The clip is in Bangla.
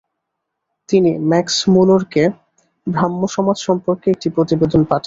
তিনি ম্যাক্স মুলরকে ব্রাহ্মসমাজ সম্পর্কে একটি প্রতিবেদন পাঠান।